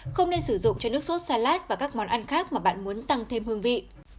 không nên sử dụng cho nước sốt salad và các món ăn khác mà bạn muốn tăng thêm hương vị